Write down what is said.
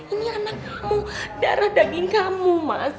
ini anak kamu darah daging kamu mas